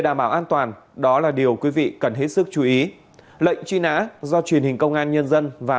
đảm bảo an toàn đó là điều quý vị cần hết sức chú ý lệnh truy nã do truyền hình công an nhân dân và